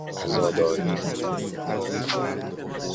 عزاداری